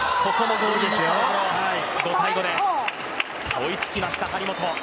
追いつきました、張本。